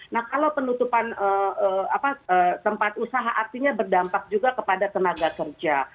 nah kalau penutupan tempat usaha artinya berdampak juga kepada tenaga kerja